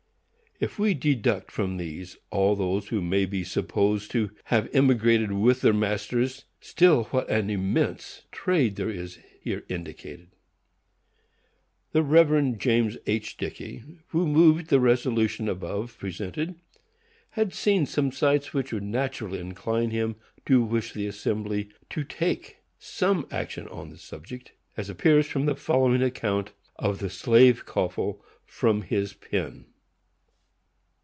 If we deduct from these all who may be supposed to have emigrated with their masters, still what an immense trade is here indicated! The Rev. James H. Dickey, who moved the resolutions above presented, had seen some sights which would naturally incline him to wish the Assembly to take some action on the subject, as appears from the following account of a slave coffle, from his pen.